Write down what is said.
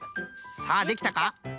さあできたか？